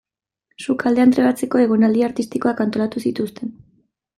Sukaldean trebatzeko egonaldi artistikoak antolatu zituzten.